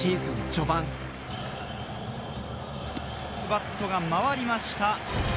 バットが回りました。